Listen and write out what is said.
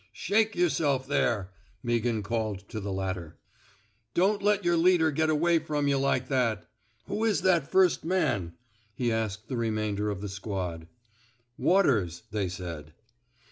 *' Shake yerself there, *' Meaghan called to the latter. Don't let yer leader get away from yuh like that. ... Who is that first man! he asked the remainder of the squad. Waters,'* they said.